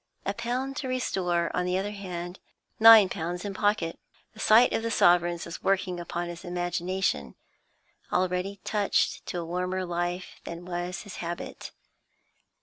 A pound to restore; on the other hand, nine pounds in pocket. The sight of the sovereigns was working upon his imagination, already touched to a warmer life than was its habit.